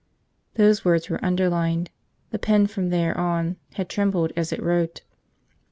Those words were underlined. The pen, from there on, had trembled as it wrote.